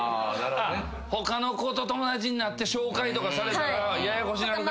他の子と友達になって紹介とかされたらややこしなるから？